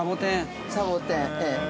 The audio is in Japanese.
◆サボテン。